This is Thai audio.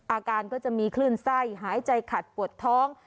อาการก็จะมีคลื่นไส้หายใจขัดปวดท้อง